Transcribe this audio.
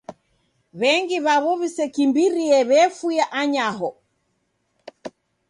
W'engi w'aw'o w'isekimbirie w'efuya anyaho.